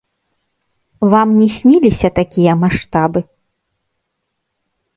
Вам не сніліся такія маштабы.